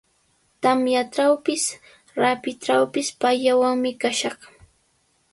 Tamyatrawpis, rapitrawpis payllawanmi kashaq.